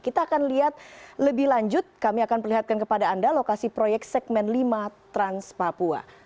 kita akan lihat lebih lanjut kami akan perlihatkan kepada anda lokasi proyek segmen lima trans papua